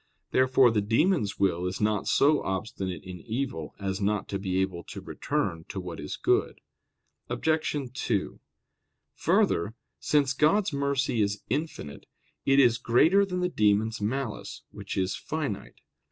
Therefore the demons' will is not so obstinate in evil as not to be able to return to what is good. Obj. 2: Further, since God's mercy is infinite, it is greater than the demons' malice, which is finite.